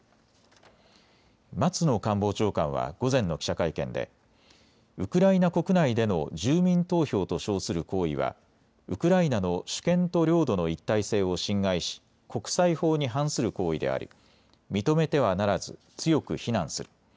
松野官房長官は午前の記者会見でウクライナ国内での住民投票と称する行為はウクライナの主権と領土の一体性を侵害し国際法に反する行為であり認めてはならず強く非難する。